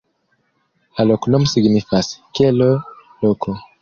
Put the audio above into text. La loknomo signifas: kelo-loko.